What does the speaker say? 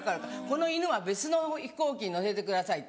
「この犬は別の飛行機に乗せてください」。